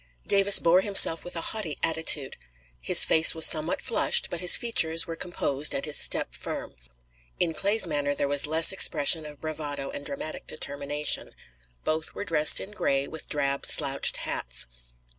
Davis bore himself with a haughty attitude. His face was somewhat flushed, but his features were composed and his step firm. In Clay's manner there was less expression of bravado and dramatic determination. Both were dressed in gray, with drab slouched hats.